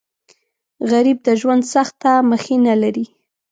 غریب د ژوند سخته مخینه لري